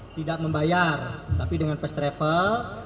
tidak membayar tapi dengan first travel